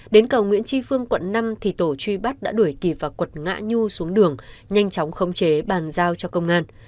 đến cầu nguyễn tri phương quận năm thì tổ truy bắt đã đuổi kì và quật ngã nhu xuống đường nhanh chóng khống chế bàn giao cho công an